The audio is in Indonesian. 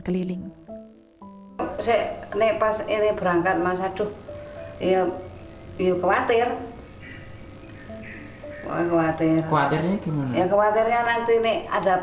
keliling se ne pas ini berangkat masa tuh ya iya khawatir khawatir khawatirnya nanti nih ada